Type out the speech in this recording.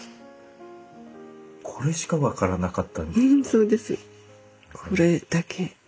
これしか分からなかったんですか。